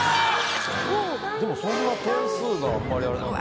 でもそんな点数があんまりあれなんだ。